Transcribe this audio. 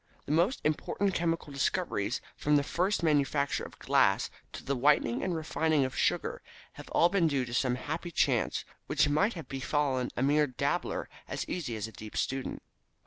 The most important chemical discoveries from the first manufacture of glass to the whitening and refining of sugar have all been due to some happy chance which might have befallen a mere dabbler as easily as a deep student.